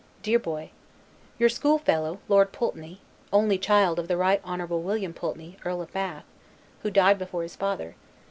DEAR BOY: Your school fellow, Lord Pulteney, [Only child of the Right Hon. William Pulteney, Earl of Bath. He died before his father.